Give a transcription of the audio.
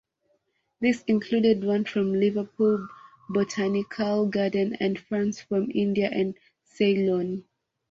These included ones from Liverpool Botanical Garden and ferns from India and Ceylon.